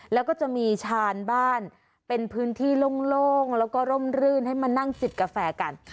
แล้วก็จะมีชานบ้านเป็นพื้นที่โล่งแล้วก็ร่มรื่นให้มานั่งจิบกาแฟกัน